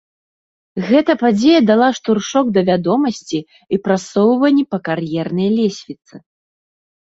Гэта падзея дала штуршок да вядомасці і прасоўванні па кар'ернай лесвіцы.